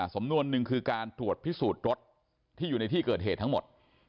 สำนวนหนึ่งคือการตรวจพิสูจน์รถที่อยู่ในที่เกิดเหตุทั้งหมด